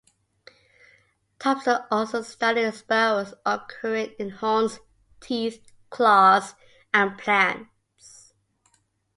Thompson also studied spirals occurring in horns, teeth, claws and plants.